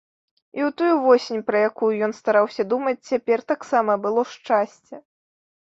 І ў тую восень, пра якую ён стараўся думаць цяпер, таксама было шчасце.